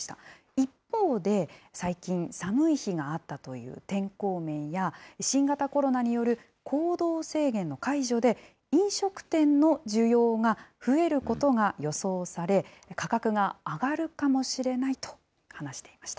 一方で、最近、寒い日があったという天候面や、新型コロナによる行動制限の解除で、飲食店の需要が増えることが予想され、価格が上がるかもしれないと話していました。